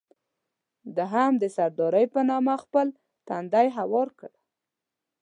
ده هم د سردارۍ په نامه خپل تندی هوار کړ.